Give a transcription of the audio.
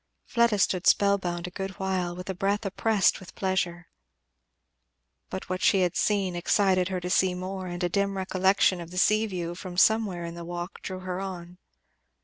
Fleda stood spell bound a good while, with a breath oppressed with pleasure. But what she had seen excited her to see more, and a dim recollection of the sea view from somewhere in the walk drew her on.